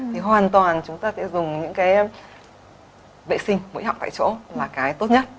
thì hoàn toàn chúng ta sẽ dùng những cái vệ sinh mũi họng tại chỗ là cái tốt nhất